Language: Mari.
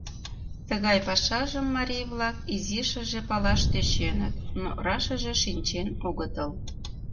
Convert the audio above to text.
Тыгай пашажым марий-влак изишыже палаш тӧченыт, но рашыже шинчен огытыл.